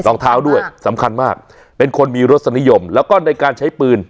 รองเท้าด้วยสำคัญมากเป็นคนมีรสนิยมแล้วก็ในการใช้ปืน